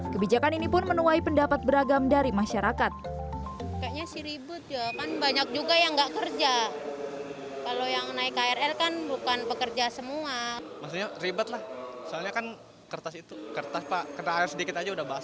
kebijakan ini pun menuai pendapat beragam dari masyarakat